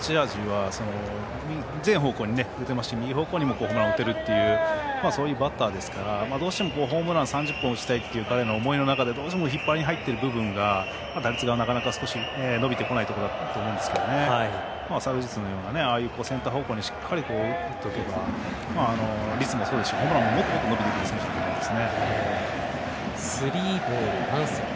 彼の持ち味は全方向に打てますし、右方向にも打てるというそういうバッターですからどうしてもホームラン３０本打ちたいという思いの中で引っ張りに入ってる部分が打率が伸びてこない部分だったんですけど昨日のようなセンター方向にしっかり打てれば率もそうですけどホームランも伸びてくる選手だと思います。